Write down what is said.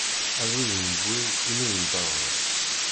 Abrid newwi imi nedderɣel.